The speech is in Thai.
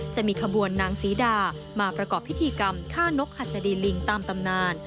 จะมีขบวนนางศรีดามาประกอบพิธีกรรมฆ่านกหัสดีลิงตามตำนาน